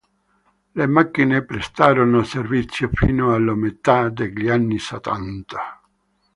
Le macchine prestarono servizio fino alla metà degli anni settanta.